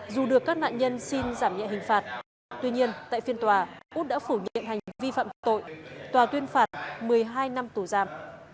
dù được các nạn nhân xin giảm nhẹ hình phạt tuy nhiên tại phiên tòa út đã phủ nhiệm hành vi phạm tội tòa tuyên phạt một mươi hai năm tù giam